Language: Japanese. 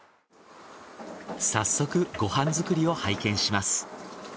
早速ご飯作りを拝見します。